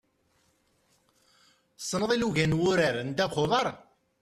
Tessneḍ ilugan n wurar n ddabex n uḍar?